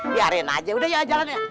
biarin aja udah ya jalannya